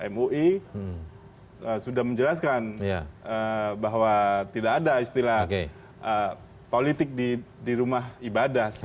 mui sudah menjelaskan bahwa tidak ada istilah politik di rumah ibadah